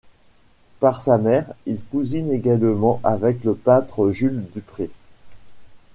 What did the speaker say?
Par sa mère, il cousine également avec le peintre Jules Dupré.